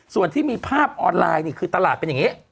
ส่วนที่มีภาพออนไลน์นี่คือตลาดเป็นอย่างนี้